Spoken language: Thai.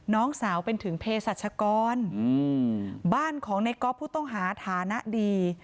น้องสาวเป็นถึงเพศรัชกรบ้านของในก๊อฟผู้ต้องหาฐานะดี